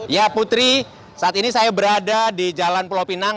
ya putri saat ini saya berada di jalan pulau pinang